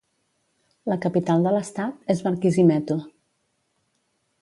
La capital de l'estat és Barquisimeto.